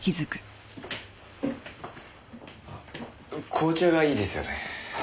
紅茶がいいですよね？